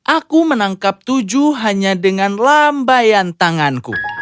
aku menangkap tujuh hanya dengan lambayan tanganku